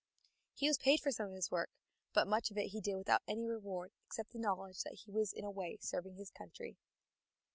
He was paid for some of this work, but much of it he did without any reward, except the knowledge that he was in a way serving his country.